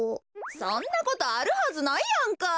そんなことあるはずないやんか。